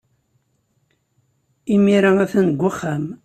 Imir-a, a-t-an deg uxxam.